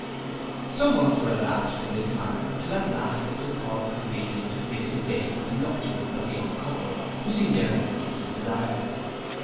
Some months were elapsed in this manner, till at last it was thought convenient to fix a day for the nuptials of the young couple, who seemed earnestly to desire it.